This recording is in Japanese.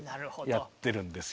やってるんですよ。